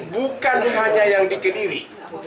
bukan hanya yang dikediri